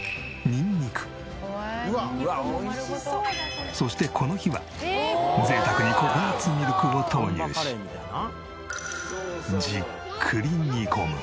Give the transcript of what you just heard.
「ニンニクも丸ごと」そしてこの日は贅沢にココナッツミルクを投入しじっくり煮込む。